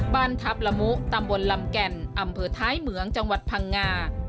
บ้านทัพละมุตำบลลำแก่นอำเภอท้ายเหมืองจังหวัดพังงา